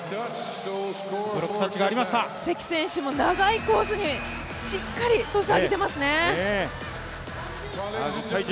関選手も長いコースにしっかりトス上げてますね。